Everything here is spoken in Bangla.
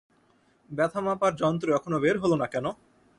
ব্যাথা মাপার যন্ত্র এখনও বের হল না কেন?